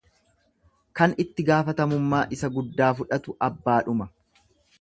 Kan itti gaafatamummaa isa guddaa fudhatu abbaadhuma.